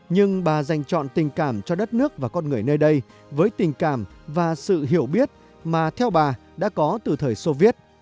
nhưng bà dành chọn tình cảm cho đất nước và con người nơi đây với tình cảm và sự hiểu biết mà theo bà đã có từ thời soviet